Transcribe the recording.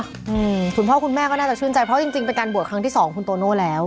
อืมคุณพ่อคุณแม่ก็น่าจะชื่นใจเพราะจริงจริงเป็นการบวชครั้งที่สองคุณโตโน่แล้ว